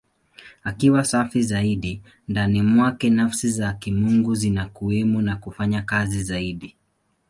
Akiwa safi zaidi, ndani mwake Nafsi za Kimungu zinakuwemo na kufanya kazi zaidi.